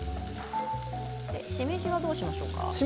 しめじはどうしますか？